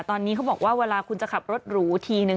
ตอนนี้เขาบอกว่าเวลาคุณจะขับรถหรูทีนึง